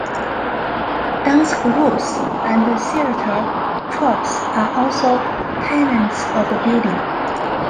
Dance groups and theater troupes are also tenants of the building.